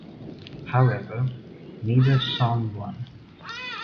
However, neither song won.